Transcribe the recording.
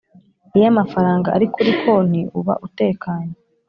iyo amafaranga ari kuri konti uba utekanye